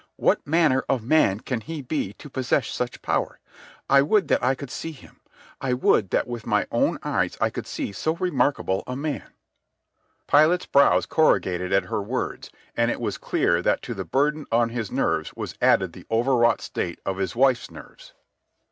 "What manner of man can he be to possess such power? I would that I could see him. I would that with my own eyes I could see so remarkable a man." Pilate's brows corrugated at her words, and it was clear that to the burden on his nerves was added the overwrought state of his wife's nerves.